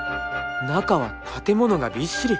中は建物がびっしり。